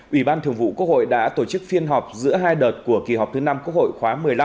ủy ban thường vụ quốc hội đã tổ chức phiên họp giữa hai đợt của kỳ họp thứ năm quốc hội khóa một mươi năm